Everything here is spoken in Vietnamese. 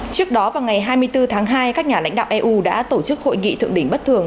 trước đó vào ngày hai mươi bốn tháng hai các nhà lãnh đạo eu đã tổ chức hội nghị thượng đỉnh bất thường